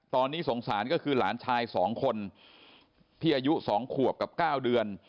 ตอนนี้สงสารก็คือหลานชาย๒คนที่อายุ๒ขวบกับ๙เดือน